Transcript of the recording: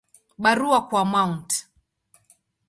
Barua kwa Mt.